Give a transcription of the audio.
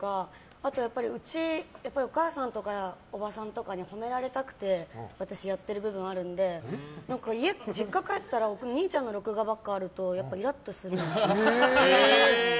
あと、うち、お母さんとかおばさんとかにほめられたくて私、やっている部分があるので実家に帰ったらお兄ちゃんの録画ばっかりあるとやっぱりイラッとするんです。